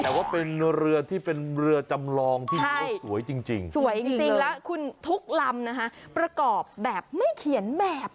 แปลว่าเป็นเรือที่เป็นเรือจำลองที่สวยจริงและคุณทุกรำนะฮะประกอบแบบไม่เขียนแบบ